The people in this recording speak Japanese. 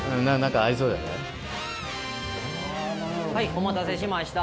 お待たせしました。